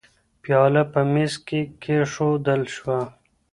پیاله په مېز کې کېښودل شوه.